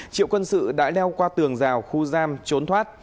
triệu quân sự đã leo qua tường rào khu giam trốn thoát